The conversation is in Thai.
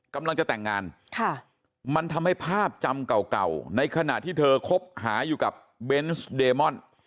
กำลังจะแต่งงานมันทำให้ภาพจำเก่าในขณะที่เธอคบหาอยู่กับเบนส์เดมอน